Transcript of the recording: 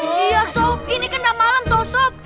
iya sob ini kan udah malem sob